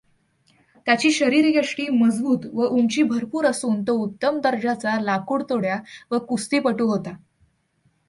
त्याची शरीरयष्टी मजबूत व उंची भरपूर असून तो उत्तम दर्जाचा लाकूडतोड्या व कुस्तीपटू होता.